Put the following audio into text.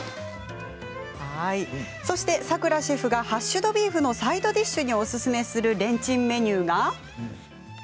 そして、さくらシェフがハッシュドビーフのサイドディッシュにおすすめするレンチンメニューが。